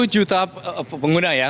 sepuluh juta pengguna ya